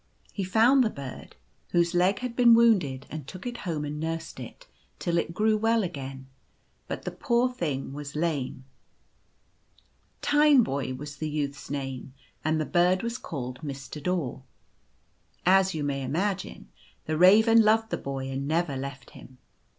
He found the bird, whose leg had been wounded, and took it home and nursed it till it grew well again ; but the poor thing was lame. Tineboy was the youth's name ; and the bird was called Mr. Daw. As you may imagine, the raven loved the boy and never left him.